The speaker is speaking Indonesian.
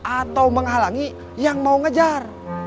atau menghalangi yang mau ngejar